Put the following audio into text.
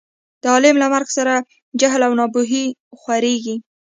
د عالم له مرګ سره جهل او نا پوهي خورېږي.